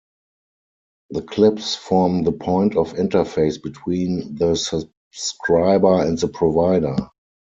The clips form the point of interface between the subscriber and the provider.